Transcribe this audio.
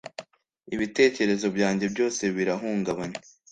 ibitekerezo byanjye byose birahungabanye.